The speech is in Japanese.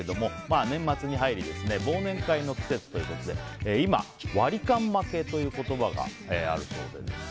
年末に入り忘年会の季節ということで今、ワリカン負けという言葉があるようです。